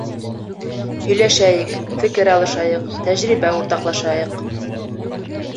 Һөйләшәйек, фекер алышайыҡ, тәжрибә уртаҡлашайыҡ.